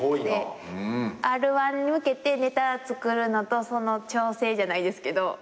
Ｒ−１に向けてネタ作るのとその調整じゃないですけど。